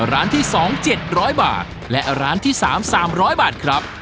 ร้านที่สองเจ็ดร้อยบาทและร้านที่สามสามร้อยบาทครับ